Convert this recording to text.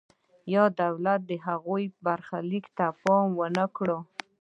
یا دولت د هغوی برخلیک ته پام ونکړي.